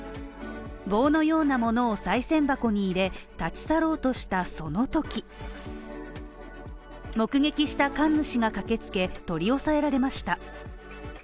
棒のようなものを賽銭箱に入れたちさろうとしたその時、目撃した神主が駆けつけ、取り押さえられました。